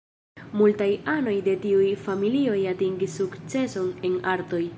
Multaj anoj de tiuj familioj atingis sukceson en artoj.